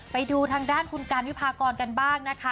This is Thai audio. ไปดูทางด้านคุณการวิพากรกันบ้างนะคะ